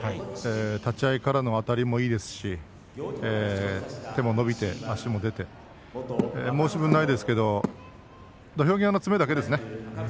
立ち合いからのあたりもいいですし手も伸びて、足も出て申し分ないですけれど土俵際の詰めだけですね。